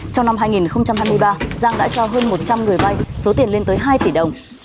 trong năm hai nghìn hai mươi ba giang đã cho hơn một trăm linh người vai số tiền lên tới hai tỷ đồng